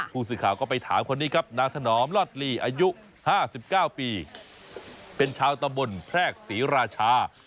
ผู้สื่อข่าวก็ไปถามคนนี้ครับนางถนอมลอดลีอายุ๕๙ปีเป็นชาวตำบลแพรกศรีราชา